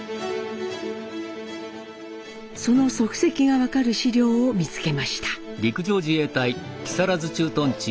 その足跡が分かる資料を見つけました。